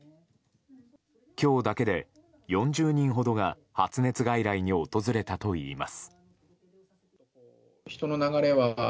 今日だけで４０人ほどが発熱外来に訪れたといいます。